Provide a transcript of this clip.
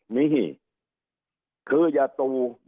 นึหิคืออย่าตูอย่าตลางทำ